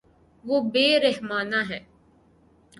وہ بے رحمانہ ہے